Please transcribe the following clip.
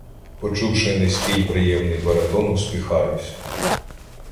Почувши низький приємний баритон, усміхаюся.